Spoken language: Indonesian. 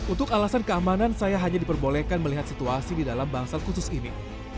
untuk alasan keamanan saya hanya diperbolehkan melihat situasi di dalam bangsal khusus ini